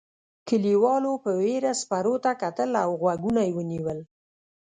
کليوالو په وېره سپرو ته کتل او غوږونه یې ونیول.